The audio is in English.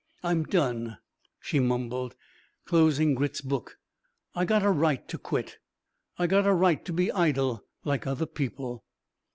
"I'm done," she mumbled, closing Grit's book. "I got a right to quit. I got a right to be idle like other people...."